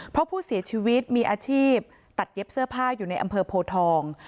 เพราะผู้เสียชีวิตมีอาชีพตัดเย็บเสื้อผ้าอยู่ในอำเภอโพทอง